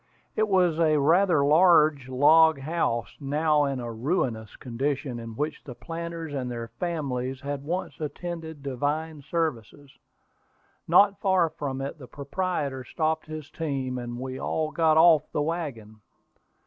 It was a rather large log house, now in a ruinous condition, in which the planters and their families had once attended divine services. Not far from it the proprietor stopped his team, and we all got off the wagon.